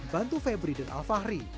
bantu febri dan alfahri